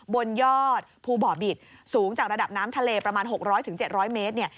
บนยอดภูบ่อบิตสูงจากระดับน้ำทะเลประมาณ๖๐๐๗๐๐เมตรเนี่ย